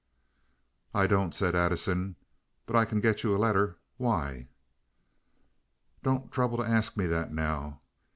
"I don't," said Addison; "but I can get you a letter. Why?" "Don't trouble to ask me that now.